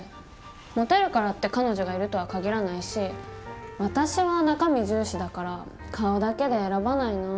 モテるからって彼女がいるとは限らないし私は中身重視だから顔だけで選ばないな。